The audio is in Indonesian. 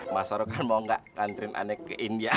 mas sarukan mau gak kantrin ane ke india